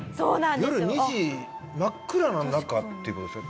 夜２時真っ暗な中っていう事ですよね？